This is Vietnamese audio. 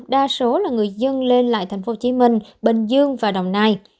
đa số là người dân lên lại tp hcm bình dương và đồng nai